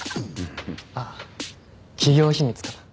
あっ企業秘密かな？